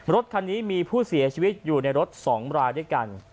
รถคันนี้มีผู้เสียชีวิตอยู่ในรถ๒รายด้วยกัน